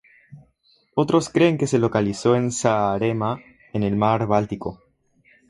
Otros creen que se localiza en Saaremaa en el mar Báltico.